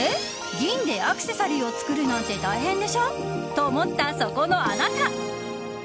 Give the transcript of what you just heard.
銀でアクセサリーを作るなんて大変でしょ！と思ったそこのあなた！